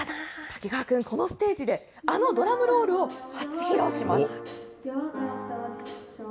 滝川君、このステージであのドラムロールを初披露します。